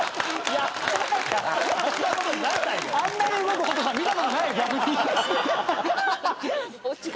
あんなに動くホトさん見たことない逆に。